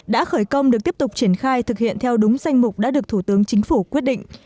đã khởi công được tiếp tục triển khai thực hiện theo đúng danh mục đã được thủ tướng chính phủ quyết định